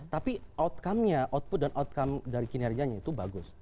tapi output dan outcome dari kinerjanya itu bagus